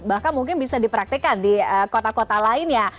bahkan mungkin bisa dipraktikan di kota kota lainnya